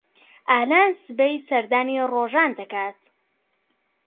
ئالان سبەی سەردانی ڕۆژان دەکات.